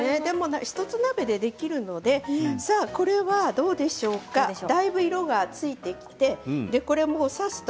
１つ鍋でできるのでこちらはどうでしょうか色がだいぶついてきました。